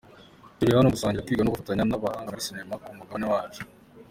Turi hano mu gusangira, kwiga no gufatanya n’abahanga muri sinema ku mugabane wacu.